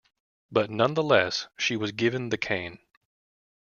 But nonetheless, she was given the cane.